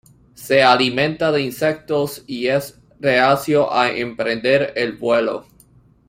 Se alimenta de insectos y es reacio a emprender el vuelo.